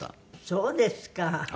そうですか。